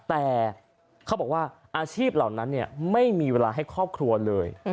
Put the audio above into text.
แต่เขาบอกว่าอาชีพเหล่านั้นไม่มีเวลาให้ครอบครัวเลย